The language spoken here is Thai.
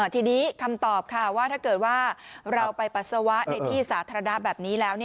ทีนี้คำตอบค่ะว่าถ้าเกิดว่าเราไปปัสสาวะในที่สาธารณะแบบนี้แล้ว